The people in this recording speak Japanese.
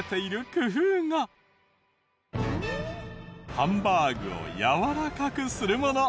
ハンバーグをやわらかくするもの。